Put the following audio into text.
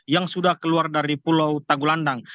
yang sudah keluar dari pulau tagulandang